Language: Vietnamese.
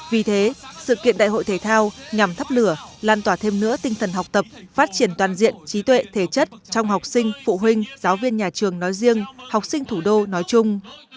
vì thế sự kiện đại hội thể thao nhằm thắp lửa lan tỏa thêm nữa tinh thần học tập phát triển toàn diện trí tuệ thể chất trong học sinh phụ huynh giáo viên nhà trường nói riêng học sinh thủ đô nói chung